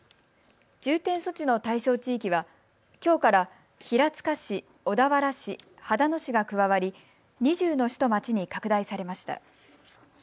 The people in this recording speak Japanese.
重点措置の対象地域はきょうから平塚市、小田原市、秦野市が加わり２０の市と町に拡大されました。